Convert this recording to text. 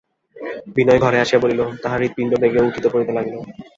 বিনয় ঘরে আসিয়া বসিল, তাহার হৃৎপিণ্ড বেগে উঠিতে পড়িতে লাগিল।